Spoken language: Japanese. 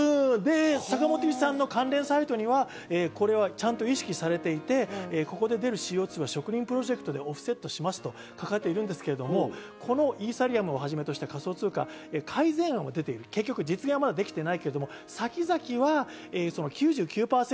坂本龍一さんの関連サイトにはちゃんとこれは意識されていて、ここで出るＣＯ２はオフセットしますと書かれているんですけれども、イーサリアムをはじめとした仮想通貨、改善案も出ていて、実現はできていないけど、先々は９９％